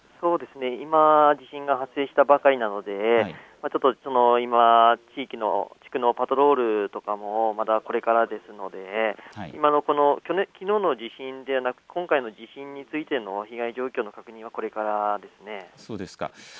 今、地震が発生したばかりなので地域の、地区のパトロールなどもまだこれからですのできのうの地震ではなく今回の地震についての被害状況の確認はこれからです。